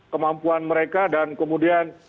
kemampuan mereka dan kemudian